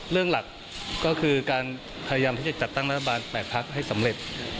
หลักก็คือการพยายามที่จะจัดตั้งรัฐบาล๘พักให้สำเร็จ